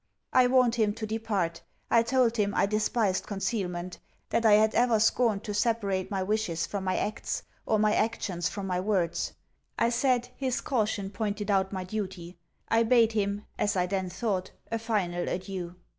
I warned him to depart. I told him, I despised concealment; that I had ever scorned to separate my wishes from my acts, or my actions from my words. I said, his caution pointed out my duty. I bade him, as I then thought a final adieu.